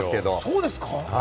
そうですか？